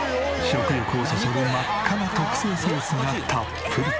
食欲をそそる真っ赤な特製ソースがたっぷり。